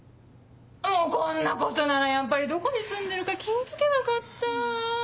もうこんなことならやっぱりどこに住んでるか聞いとけばよかった。